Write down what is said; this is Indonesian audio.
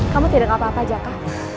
kamu tidak apa apa jaga